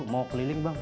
mau keliling bang